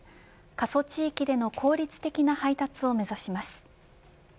過疎地域での効率的な配達を目指します。